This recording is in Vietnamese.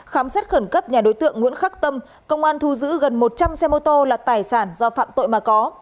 khám xét khẩn cấp nhà đối tượng nguyễn khắc tâm công an thu giữ gần một trăm linh xe mô tô là tài sản do phạm tội mà có